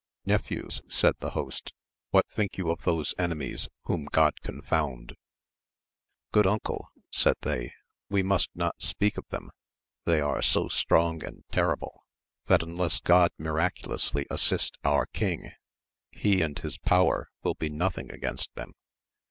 Nephews, said the host, what think you of those enemies whom God confound ! Good uncle, said they, we must not speak of them ; they are so strong and terrible, that unless God miraculously assist our king, he and his power will be nothing against them.